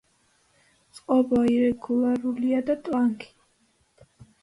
წყობა ირეგულარულია და ტლანქი.